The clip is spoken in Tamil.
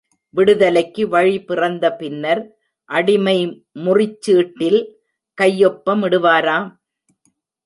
விடுதலைக்கு வழி பிறந்த பின்னர், அடிமை முறிச்சீட்டில் கையொப்பமிடுவாரா?